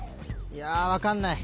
いや分かんない。